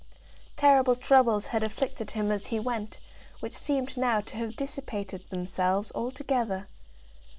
Terrible troubles had afflicted him as he went, which seemed now to have dissipated themselves altogether.